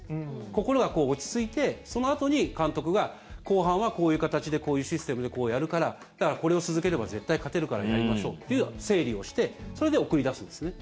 心が落ち着いてそのあとに監督が後半はこういう形でこういうシステムでこうやるからだから、これを続ければ絶対勝てるからやりましょうという整理をしてそれで送り出すんですね。